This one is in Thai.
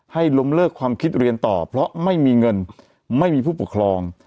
ให้ล้มเลิกความคิดเรียนต่อเพราะไม่มีเงินไม่มีผู้ปกครอง